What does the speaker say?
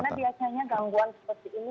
karena biasanya gangguan seperti ini